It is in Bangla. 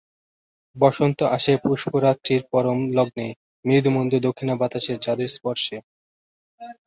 বসন্ত আসে পুষ্পরাত্রির পরম লগ্নে, মৃদুমন্দ দক্ষিণা বাতাসের জাদুস্পর্শে।